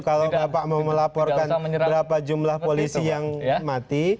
kalau bapak mau melaporkan berapa jumlah polisi yang mati